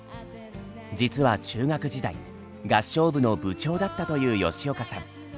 実は中学時代合唱部の部長だったという吉岡さん。